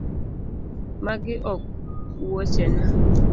Magi ok wuochena .